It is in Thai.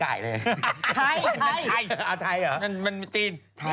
อ่ะไทยมันจีน